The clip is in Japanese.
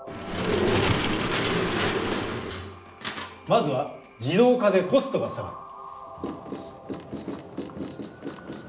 まずは「自動化」でコストが下がる。